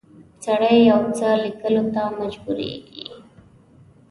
سړی یو څه لیکلو ته مجبوریږي.